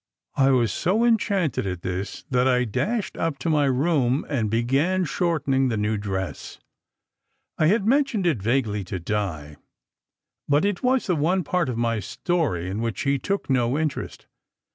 I was so enchanted at this that I dashed up to my room and began shortening the new dress. I had mentioned it vaguely to Di, but it was the one part of my story in which she took no interest.